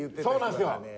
そうなんですよ。